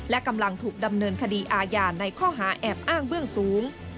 และกำลังถูกดำเนินคดีอาญาในข้อหาแอบอ้างเบื้องสูง